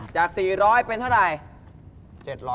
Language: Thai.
จาก๔๐๐เป็นเท่าไหร่